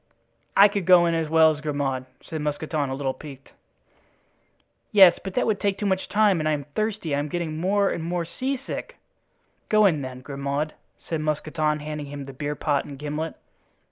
"I could go in as well as Grimaud," said Mousqueton, a little piqued. "Yes, but that would take too much time and I am thirsty. I am getting more and more seasick." "Go in, then, Grimaud," said Mousqueton, handing him the beer pot and gimlet.